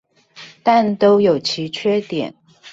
但都有其缺點